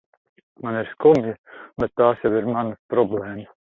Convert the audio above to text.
Man ir skumji, bet tās jau ir manas problēmas.